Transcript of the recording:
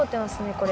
これ。